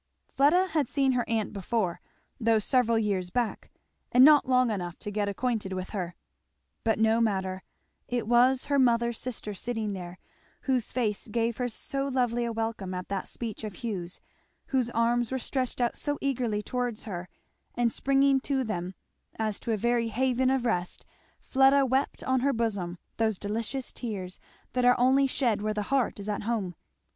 Fleda had seen her aunt before, though several years back, and not long enough to get acquainted with her. But no matter; it was her mother's sister sitting there, whose face gave her so lovely a welcome at that speech of Hugh's, whose arms were stretched out so eagerly towards her; and springing to them as to a very haven of rest Fleda wept on her bosom those delicious tears that are only shed where the heart is at home.